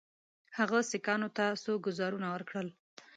هغه سیکهانو ته څو ګوزارونه ورکړل.